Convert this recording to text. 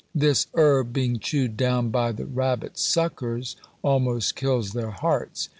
"This herb being chewed down by the rabbit suckers, almost kills their hearts.